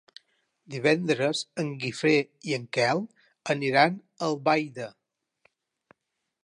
Divendres en Guifré i en Quel aniran a Albaida.